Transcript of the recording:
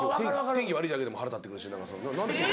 天気悪いだけでも腹立ってくるし。